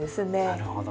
なるほど。